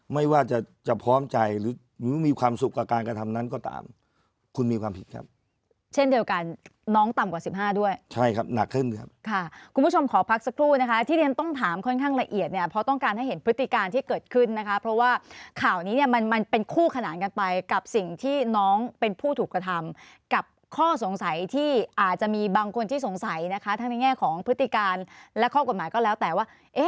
ด้วยใช่ครับหนักขึ้นครับค่ะคุณผู้ชมขอพักสักครู่นะคะที่เรียนต้องถามค่อนข้างละเอียดเนี่ยเพราะต้องการให้เห็นพฤติการที่เกิดขึ้นนะคะเพราะว่าข่าวนี้เนี่ยมันมันเป็นคู่ขนาดกันไปกับสิ่งที่น้องเป็นผู้ถูกกระทำกับข้อสงสัยที่อาจจะมีบางคนที่สงสัยนะคะทั้งในแง่ของพฤติการและข้อกฎหมายก็แล้วแต่ว